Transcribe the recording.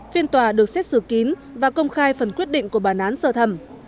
phiên tòa được xét xử kín và công khai phần quyết định của bản án sơ thẩm